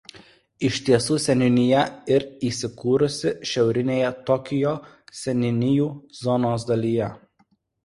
Iš tiesų seniūnija ir įsikūrusi šiaurinėje Tokijo seniūnijų zonos dalyje.